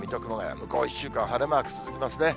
向こう１週間、晴れマーク続きますね。